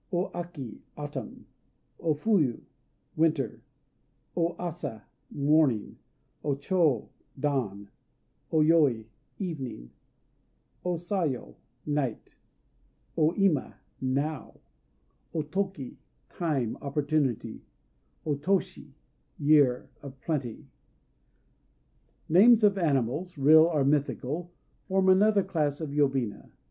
O Aki "Autumn." O Fuyu "Winter." O Asa "Morning." O Chô "Dawn." O Yoi "Evening." O Sayo "Night." O Ima "Now." O Toki "Time," opportunity. O Toshi "Year [of Plenty]." Names of animals real or mythical form another class of yobina.